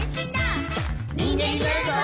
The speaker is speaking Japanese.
「にんげんになるぞ！」